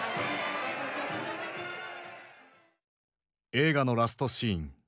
映画のラストシーン。